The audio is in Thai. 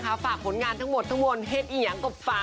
กับเพลงที่มีชื่อว่ากี่รอบก็ได้